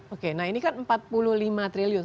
oke nah ini kan empat puluh lima triliun